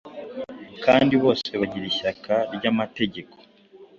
kandi bose bagira ishyaka ry’amategeko.